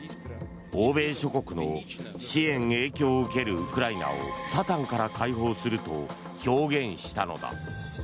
欧米諸国の支援・影響を受けるウクライナをサタンから解放すると表現したのだ。